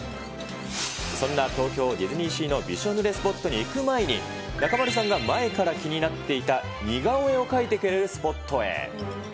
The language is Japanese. そんな東京ディズニーシーのびしょ濡れスポットに行く前に、中丸さんが前から気になっていた似顔絵を描いてくれるスポットへ。